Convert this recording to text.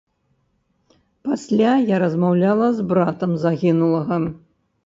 Пасля я размаўляла з братам загінулага.